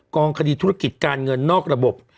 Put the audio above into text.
องคดีธุรกิจการเงินนอกระบบ